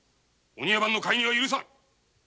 お庭番の介入は許さん！